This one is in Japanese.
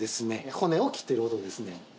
骨を切ってる音ですね。